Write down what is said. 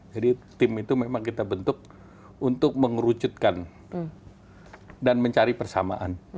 jadi tim itu memang kita bentuk untuk mengerucutkan dan mencari persamaan